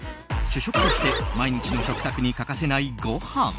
主食として毎日の食卓に欠かせないご飯。